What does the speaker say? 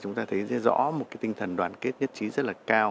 chúng ta thấy rõ một tinh thần đoàn kết nhất trí rất cao